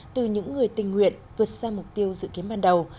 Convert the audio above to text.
từ những người tình nguyện vượt sang mục tiêu dự kiến ban đầu